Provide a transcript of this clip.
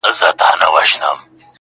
په عشق کي دومره رسميت هيڅ باخبر نه کوي,